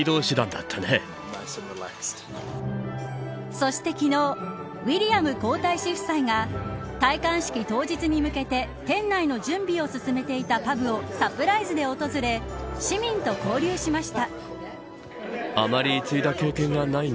そして昨日ウィリアム皇太子夫妻が戴冠式当日に向けて店内の準備を進めていたパブをサプライズで訪れ市民と交流しました。